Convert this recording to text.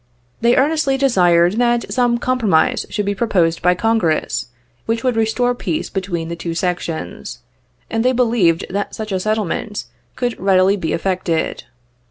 They earnestly desired that some compromise should be proposed by Congress, which would restore peace between the two sections, and they believed that such a settlement could readily be effected.